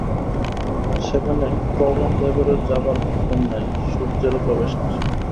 সেখানে পবনদেবেরও যাবার হুকুম নাই, সূর্যেরও প্রবেশ নিষেধ।